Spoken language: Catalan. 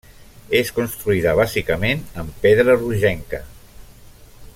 És construïda bàsicament amb pedra rogenca.